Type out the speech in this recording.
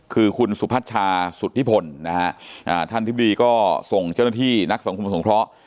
คือคุณสุพัชชาสุธิพลนะฮะท่านทิบดีก็ส่งเจ้าหน้าที่นักสังคมสงเคราะห์